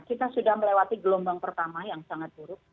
kita sudah melewati gelombang pertama yang sangat buruk